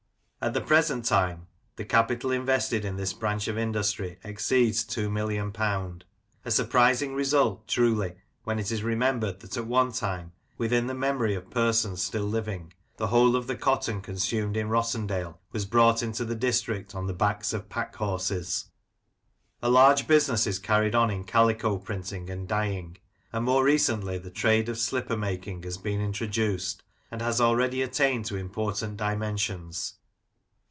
At the present time the capital invested in this branch of industry exceeds ;;^2, 000,000 ; a surprising result, truly, when it is remem bered that, at one time, within the memory of persons still living, the whole of (he cotton consumed in Rossendale was brought into the district on the backs of pack horses ! A large business is carried on in calico printing and dyeing. And more recently, the trade of slipper making has been introduced, and has already attained to important dimensions.